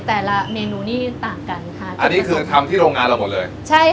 แต่ละเมนูนี่ต่างกันค่ะอันนี้คือทำที่โรงงานเราหมดเลยใช่ค่ะ